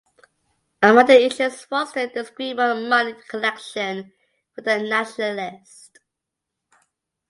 Among the issues was their disagreement on money collection for the nationalists.